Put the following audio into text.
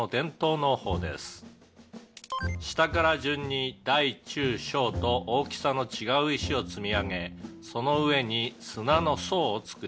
「下から順に大中小と大きさの違う石を積み上げその上に砂の層を作ります」